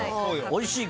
おいしい